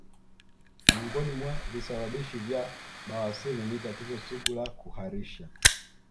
Miongoni mwa visababishi vya bawasir ni tatizo sugu la kuharisha